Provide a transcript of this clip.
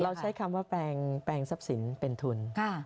เราใช้คำว่าแปรงซับสินเป็นทุน